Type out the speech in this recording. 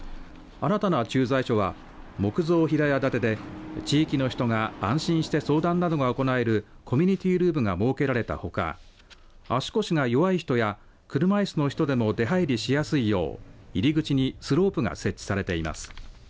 新たな駐在所は木造平屋建てで地域の人が安心して相談などが行えるコミュニティールームが設けられたほか足腰が弱い人や車いすの人でも出はいりしやすいよう入り口にスロープが設置されています。